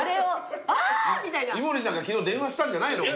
井森さんが昨日電話したんじゃないの？